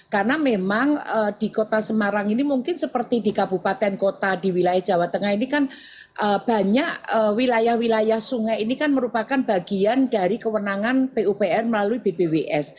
karena memang di kota semarang ini mungkin seperti di kabupaten kota di wilayah jawa tengah ini kan banyak wilayah wilayah sungai ini kan merupakan bagian dari kewenangan pupr melalui bpws